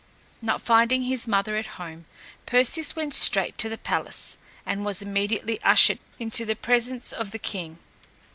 Not finding his mother at home, Perseus went straight to the palace and was immediately ushered into the presence of the king.